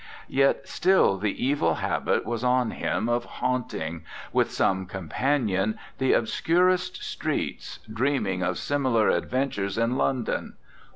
Yet still the evil habit was on him of haunting, with some companion, the obscurest streets, dreaming of similar adventures in London.